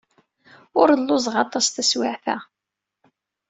Ur lluẓeɣ aṭas taswiɛt-a.